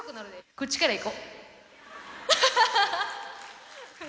こっちから行こ。